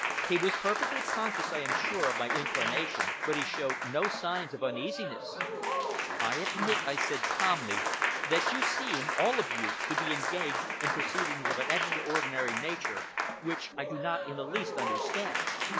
He was perfectly conscious, I am sure, of my inclination, but he showed no signs of uneasiness. "I admit," I said calmly, "that you seem, all of you, to be engaged in proceedings of an extraordinary nature, which I do not in the least understand.